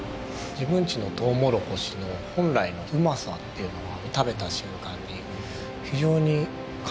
自分ちのとうもろこしの本来のうまさっていうのは食べた瞬間に非常に感じました。